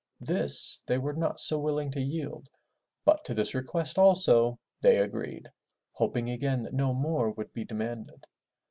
This they were not so willing to yield, but to this request also they agreed, hoping again that no more would be demanded.